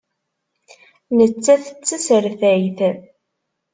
Nettat d tasertayt.